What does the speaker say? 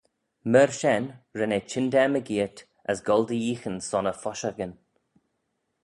Myr shen, ren eh chyndaa mygeayrt as goll dy yeeaghyn son e phoshagyn.